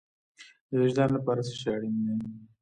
د وجدان لپاره څه شی اړین دی؟